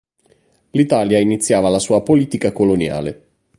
L'Italia iniziava la sua politica coloniale.